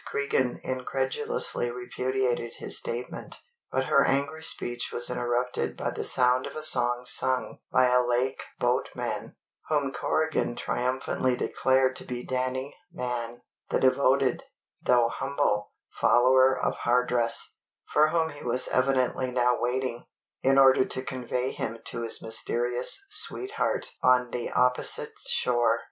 Cregan incredulously repudiated his statement; but her angry speech was interrupted by the sound of a song sung by a lake boatman, whom Corrigan triumphantly declared to be Danny Mann, the devoted, though humble, follower of Hardress, for whom he was evidently now waiting, in order to convey him to his mysterious sweetheart on the opposite shore.